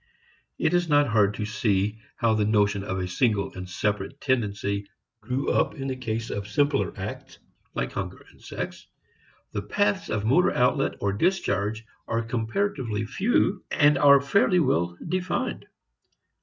It is not hard to see how the notion of a single and separate tendency grew up in the case of simpler acts like hunger and sex. The paths of motor outlet or discharge are comparatively few and are fairly well defined.